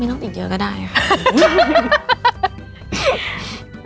ต้องติดเยอะก็ได้ค่ะ